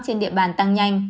trên điện bàn tăng nhanh